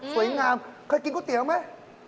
สวยงามเคยกินก๋วยเตี๋ยวไหม